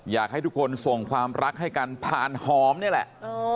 อยากให้ทุกคนส่งความรักให้กันผ่านหอมนี่แหละ